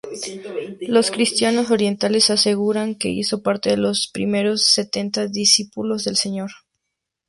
Los cristianos orientales aseguran que hizo parte de los primeros setenta discípulos del Señor.